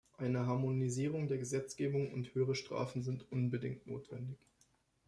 Eine Harmonisierung der Gesetzgebung und höhere Strafen sind unbedingt notwendig.